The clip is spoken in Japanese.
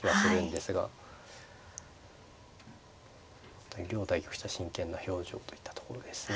本当に両対局者真剣な表情といったところですね。